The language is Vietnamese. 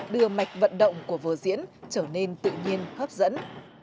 đưa mạch vận động của vở diễn trở nên tự nhiên hấp dẫn